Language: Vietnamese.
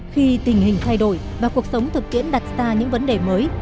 khi tình hình thay đổi và cuộc sống thực tiễn đặt ra những vấn đề mới